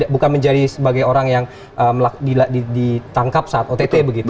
bukan menjadi sebagai orang yang ditangkap saat ott begitu